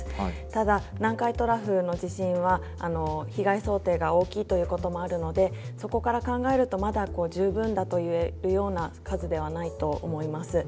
ただ南海トラフの地震は被害想定が大きいということもあるのでそこから考えるとまだ十分だと言えるような数ではないと思います。